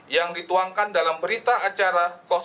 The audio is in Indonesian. yang dituangkan dalam berita acara